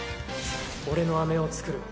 俺のあめを作る。